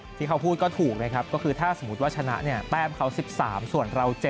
ที่เขาพูดก็ถูกนะครับก็คือถ้าสมมุติว่าชนะเนี่ยแต้มเขา๑๓ส่วนเรา๗